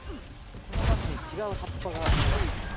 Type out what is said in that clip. このナスに違う葉っぱが生えてきてます。